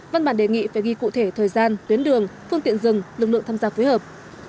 văn bản đề nghị phải ghi cụ thể thời gian tuyến đường phương tiện rừng lực lượng tham gia phối hợp